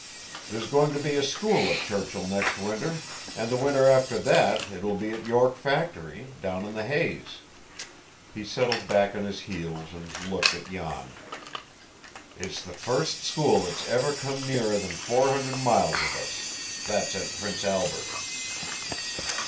There's going to be a school at Churchill next winter, and the winter after that it will be at York Factory, down on the Hayes." He settled back on his heels and looked at Jan. "It's the first school that has ever come nearer than four hundred miles of us. That's at Prince Albert."